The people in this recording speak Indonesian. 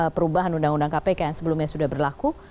perubahan undang undang kpk yang sebelumnya sudah berlaku